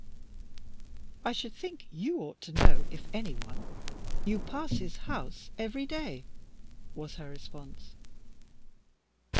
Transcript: "I should think you ought to know, if any one. You pass his house every day," was her response.